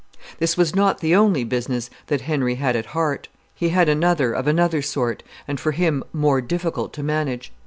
This was not the only business that Henry had at heart; he had another of another sort, and, for him, more difficult to manage.